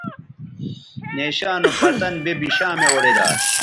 نیشاں نو پتن بے بشامےاوڑیدا